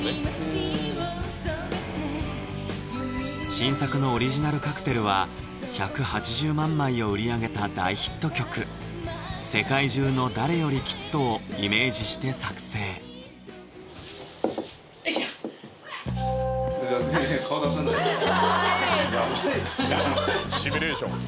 新作のオリジナルカクテルは１８０万枚を売り上げた大ヒット曲「世界中の誰よりきっと」をイメージして作成おいしょ逆に顔出さないでヤバいシミュレーション